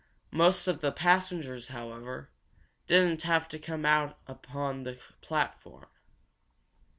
Most of the passengers, however, didn't have to come out on the platform.